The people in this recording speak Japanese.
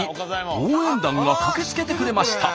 応援団が駆けつけてくれました。